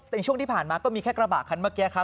แต่ช่วงที่ผ่านมาก็มีแค่กระบะคันเมื่อกี้ครับ